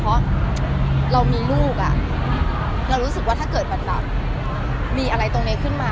เพราะเรามีลูกเรารู้สึกว่าถ้าเกิดมันแบบมีอะไรตรงนี้ขึ้นมา